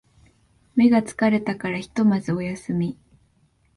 目が疲れたからひとまずお休み